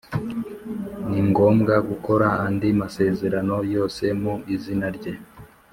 Ni ngombwa gukora andi masezerano yose mu izina rye